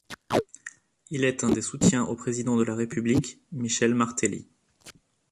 Il est un des soutiens au président de la République, Michel Martelly.